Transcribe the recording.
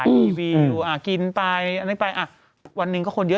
รีวิวกินไปอันนี้ไปอ่ะวันหนึ่งก็คนเยอะ